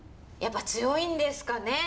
やっぱ強いんですかね。